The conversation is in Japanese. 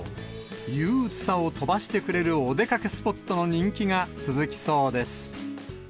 憂うつさを飛ばしてくれるお出かけスポットの人気が続きそうです。